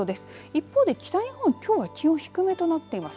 一方で北日本、きょうは気温低めとなっています。